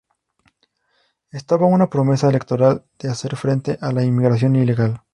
Estaba una promesa electoral de hacer frente a la inmigración ilegal.